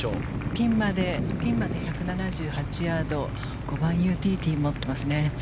ピンまで１７８ヤード５番ユーティリティーを持っていますね。